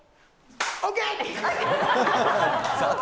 ＯＫ。